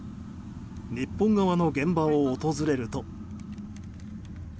日本側の現場を訪れると。